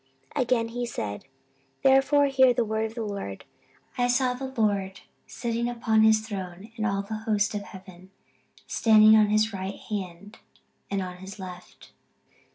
14:018:018 Again he said, Therefore hear the word of the LORD; I saw the LORD sitting upon his throne, and all the host of heaven standing on his right hand and on his left.